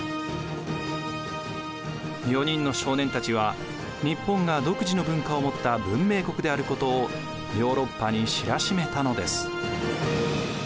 ４人の少年たちは日本が独自の文化を持った文明国であることをヨーロッパに知らしめたのです。